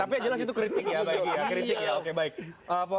tapi jelas itu kritik ya pak egy